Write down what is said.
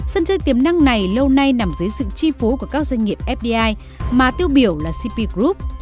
sân chơi tiềm năng này lâu nay nằm dưới sự chi phố của các doanh nghiệp fdi mà tiêu biểu là cp group